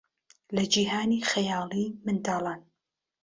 لە جیهانی خەیاڵیی منداڵان